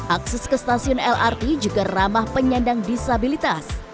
akses ke stasiun lrt juga ramah penyandang disabilitas